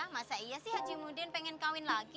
masa iya sih haji mudin pengen kawin lagi